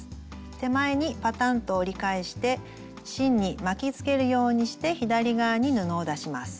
手前にパタンと折り返して芯に巻きつけるようにして左側に布を出します。